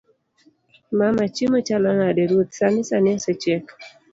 mama; chiemo chalo nade? ruoth; sani sani osechiek